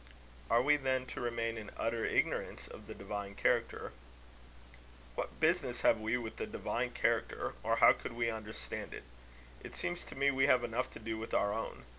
"Are we, then, to remain in utter ignorance of the divine character?" "What business have we with the divine character? Or how could we understand it? It seems to me we have enough to do with our own.